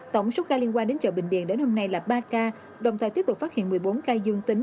tổng số ca liên quan đến chợ bình điền đến hôm nay là ba ca đồng thời tiếp tục phát hiện một mươi bốn ca dương tính